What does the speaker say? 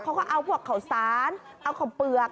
เขาก็เอาพวกเข่าสานเอาผัวเบือก